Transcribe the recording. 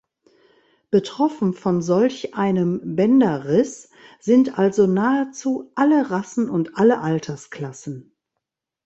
Betroffen von solch einem Bänderriss sind also nahezu alle Rassen und alle Altersklassen.